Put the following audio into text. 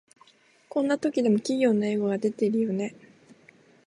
こんな時でも企業のエゴが出てるよね